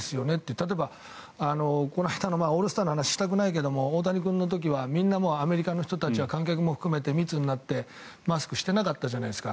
例えば、この間のオールスターの話をしたくないけれど大谷君の時はアメリカの人たちは観客も含めて密になってマスクをしてなかったじゃないですか。